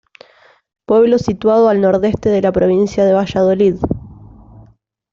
Pueblo situado al nordeste de la provincia de Valladolid.